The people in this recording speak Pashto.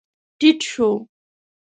ټيټ شو.